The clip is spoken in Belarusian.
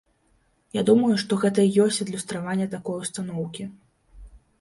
Я думаю, што гэта і ёсць адлюстраванне такой устаноўкі.